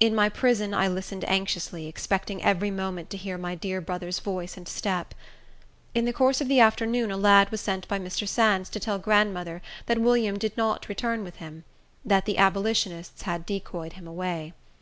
In my prison I listened anxiously, expecting every moment to hear my dear brother's voice and step. In the course of the afternoon a lad was sent by Mr. Sands to tell grandmother that William did not return with him; that the abolitionists had decoyed him away.